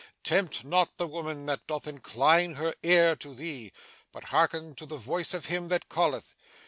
'Tempt not the woman that doth incline her ear to thee, but harken to the voice of him that calleth.